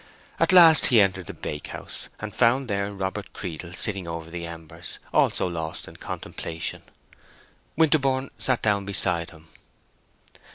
At last he entered the bakehouse, and found there Robert Creedle sitting over the embers, also lost in contemplation. Winterborne sat down beside him.